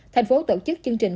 thành phố tổ chức chương trình